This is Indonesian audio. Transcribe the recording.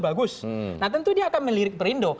bagus nah tentu dia akan melirik perindo